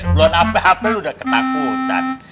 belon hape hape lo udah ketakutan